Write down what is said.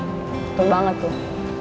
betul banget tuh